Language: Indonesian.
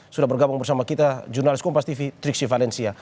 sudah bergabung bersama kita jurnalis kompas tv triksi valencia